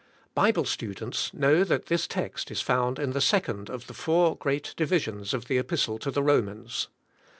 Bible students know that this text is found in the second of the four great divis ions of the Epistle to the Romans.